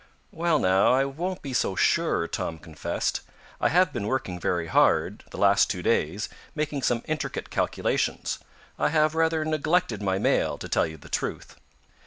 "Well, now, I won't be so sure," Tom confessed. "I have been working very hard, the last two days, making some intricate calculations. I have rather neglected my mail, to tell you the truth.